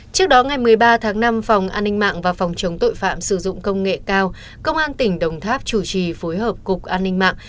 trước đó ngày một mươi ba năm phòng an ninh mạng và phòng chống tội phạm sử dụng công nghệ cao công an tp hcm chủ trì phối hợp cục an ninh mạng